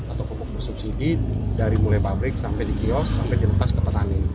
atau pupuk bersubsidi dari mulai pabrik sampai di kios sampai dilepas ke petani